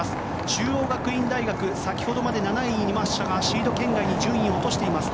中央学院大学先ほどまで７位にいましたがシード圏外に順位を落としています。